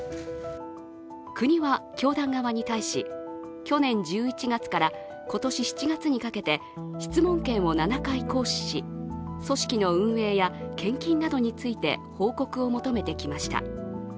国は教団側に対し、去年１１月から今年７月にかけて質問権を７回行使し組織の運営や献金などについて報告を求めてきました。